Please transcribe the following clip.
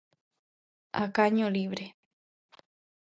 A caño libre.